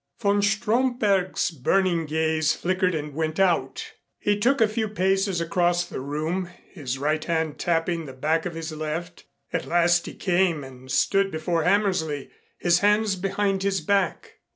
Von Stromberg's burning gaze flickered and went out. He took a few paces across the room, his right hand tapping the back of his left. At last he came and stood before Hammersley, his hands behind his back.